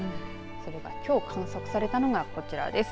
それが、きょう観測されたのがこちらです。